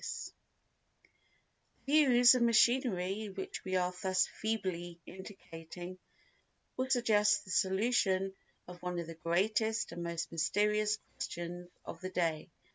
The views of machinery which we are thus feebly indicating will suggest the solution of one of the greatest and most mysterious questions of the day.